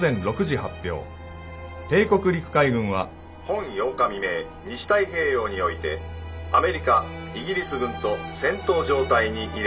帝国陸海軍は本８日未明西太平洋においてアメリカイギリス軍と戦闘状態に入れり。